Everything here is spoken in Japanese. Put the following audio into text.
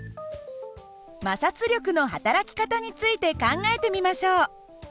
摩擦力のはたらき方について考えてみましょう。